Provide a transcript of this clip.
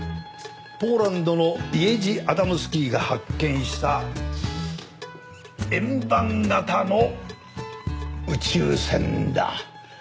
ポーランドのイエジ・アダムスキーが発見した円盤形の宇宙船だ。